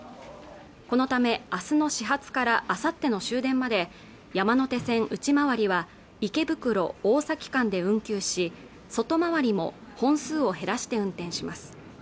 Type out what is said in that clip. このため明日の始発からあさっての終電まで山手線内回りは池袋ー大崎間で運休し外回りも本数を減らして運転します